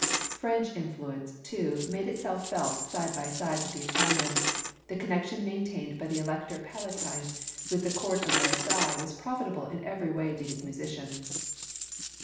French influence, too, made itself felt side by side with the Italian; the connection maintained by the Elector Palatine with the court of Versailles was profitable in every way to his musicians.